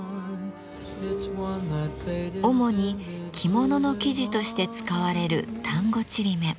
主に着物の生地として使われる丹後ちりめん。